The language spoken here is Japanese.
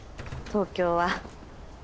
東京は。